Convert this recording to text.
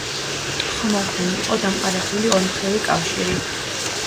ხომალდთან იყო დამყარებული ორმხრივი კავშირი.